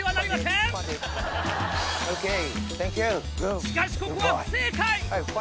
しかしここは不正解！